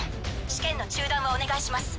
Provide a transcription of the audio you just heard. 試験の中断をお願いします。